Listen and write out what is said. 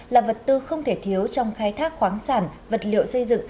là vật tư không thể thiếu